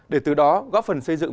để từ đó góp phần xây dựng